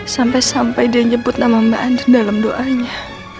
sampai sampai dia nyebut nama mbak andri dalam doanya